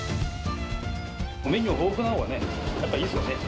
メニュー豊富なほうがね、やっぱいいですよね。